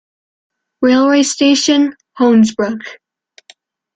Railway station: Hoensbroek.